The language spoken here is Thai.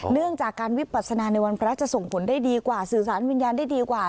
เนื่องจากการวิปัสนาในวันพระจะส่งผลได้ดีกว่าสื่อสารวิญญาณได้ดีกว่า